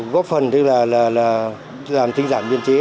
góp phần tức là làm tình giảm biên chế